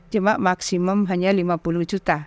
cuma maksimum hanya lima puluh juta